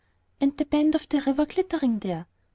"And the bend of the river glittering there!